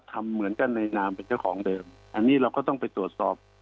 ทำเหมือนกันในนามเป็นเจ้าของเดิมอันนี้เราก็ต้องไปตรวจสอบ